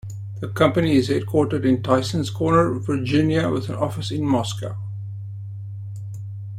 The company is headquartered in Tysons Corner, Virginia with an office in Moscow.